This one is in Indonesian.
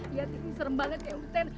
lihat ini serem banget ya uten